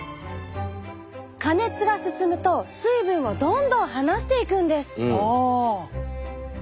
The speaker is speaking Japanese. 加熱が進むと水分をどんどん離していくんです。